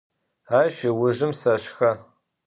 Aş ıujjım seşşxe.